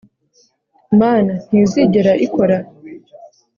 mana, ntizigera ikora?